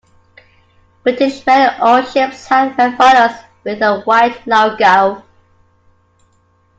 British Rail owned ships had red funnels with a white logo.